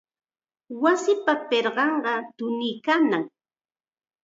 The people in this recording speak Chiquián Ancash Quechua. Wasipa pirqanqa tuniykannam.